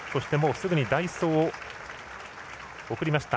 すぐに代走を送りました。